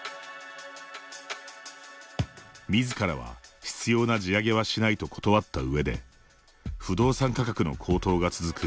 みずからは執ような地上げはしないと断ったうえで不動産価格の高騰が続く